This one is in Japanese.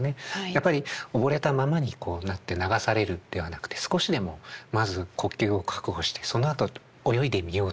やっぱり溺れたままにこうなって流されるんではなくて少しでもまず呼吸を確保してそのあと泳いでみようと。